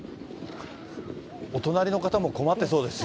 お隣の方も困ってそうですね。